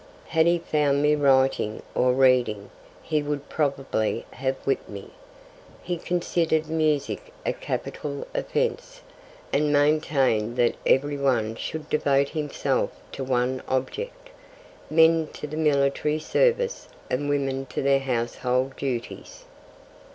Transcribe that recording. Had he found me writing or reading, he would probably have whipped me.' He 'considered music a capital offence, and maintained that every one should devote himself to one object: men to the military service, and women to their household duties.